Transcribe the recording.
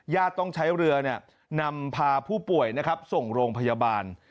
ญาติต้องใช้เรือนำพาผู้ป่วยส่งโรงพยาบาล